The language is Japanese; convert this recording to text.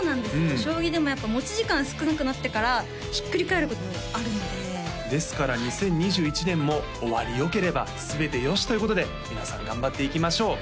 将棋でもやっぱ持ち時間少なくなってからひっくり返ることもあるのでですから２０２１年も終わり良ければ全て良しということで皆さん頑張っていきましょう